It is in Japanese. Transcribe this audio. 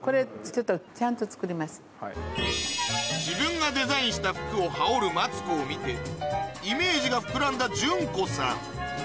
自分がデザインした服を羽織るマツコを見てイメージが膨らんだジュンコさん